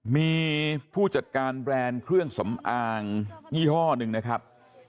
มีผู้จัดการแบรนด์เครื่องสำอางยี่ห้อหนึ่งนะครับ